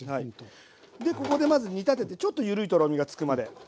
でここでまず煮立ててちょっとゆるいトロミがつくまで。